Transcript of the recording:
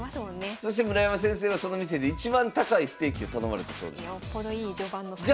そして村山先生はその店でいちばん高いステーキを頼まれたそうです。